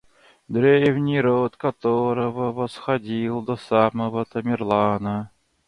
древний род которого восходил до самого Тамерлана.